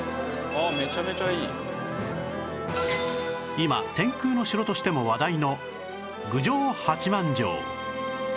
今「天空の城」としても話題の郡上八幡城